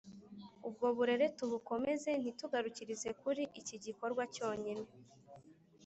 ubwo burere tubukomeze ntitugarukirize kuri ikigikorwa cyonyine